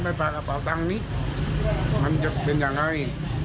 ไม่ฝากกระเป๋าสตางค์นี้มันจะเป็นอย่างไร